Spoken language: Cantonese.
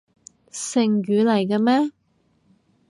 成語嚟嘅咩？